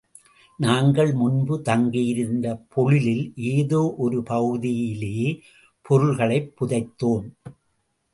நாங்கள் முன்பு தங்கியிருந்த பொழிலில் ஏதோ ஒரு பகுதியிலே பொருள்களைப் புதைத்தோம்.